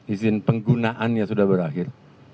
izin penggunaannya sudah berakhir